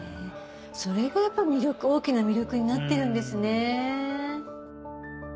それがやっぱり大きな魅力になってるんですね。